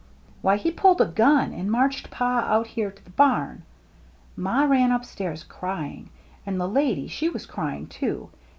"Why, he pulled a gun, and marched Pa out here to the barn. Ma ran upstairs cry ing. And the lady, she was crying, too.